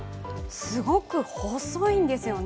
すごく細いんですよね。